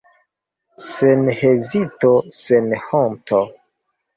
Sen hezito, sen honto!